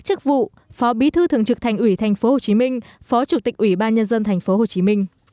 chức vụ phó bí thư thường trực thành ủy tp hcm phó chủ tịch ủy ban nhân dân tp hcm